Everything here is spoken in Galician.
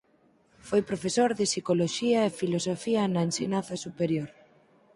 Foi profesor de psicoloxía e filosofía na ensinanza superior.